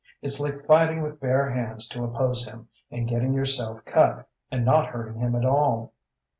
It's like fighting with bare hands to oppose him, and getting yourself cut, and not hurting him at all.